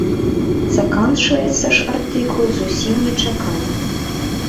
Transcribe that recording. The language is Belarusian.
Заканчваецца ж артыкул зусім нечакана.